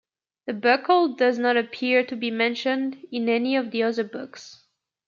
The buckle does not appear to be mentioned in any of the other books.